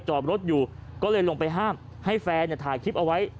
จอดรถอยู่ก็เลยลงไปห้ามให้แฟนถ่ายคลิปเอาไว้